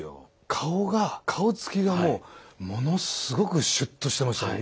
顔が顔つきがもうものすごくシュッとしてましたもんね。